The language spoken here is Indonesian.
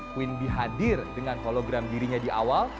queen b hadir dengan hologram dirinya di awal